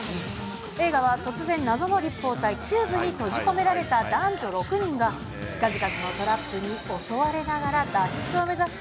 映画は突然、謎の立方体、キューブに閉じ込められた男女６人が、数々のトラップに襲われながら脱出を目指す